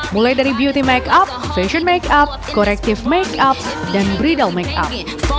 mulai dari beauty make up fashion make up corrective make up dan briedle make up